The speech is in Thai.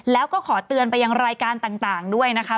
แล้วก็ขอเตือนไปยังรายการต่างด้วยนะคะ